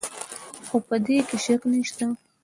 خو په دې کې شک نشته.